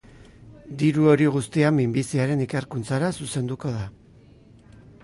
Diru hori guztia minbiziaren ikerkuntzara zuzenduko da.